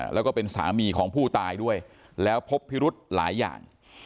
แล้วก็เป็นสามีของผู้ตายด้วยแล้วพบพิรุธหลายอย่าง